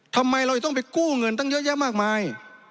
ทำไมเราจะต้องไปกู้เงินตั้งเยอะแยะมากมาย